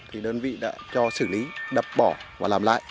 thì đơn vị đã cho xử lý đập bỏ và làm lại